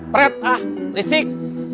pret ah risik